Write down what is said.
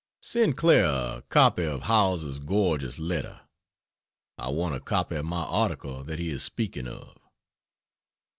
C. Send Clara a copy of Howells's gorgeous letter. I want a copy of my article that he is speaking of.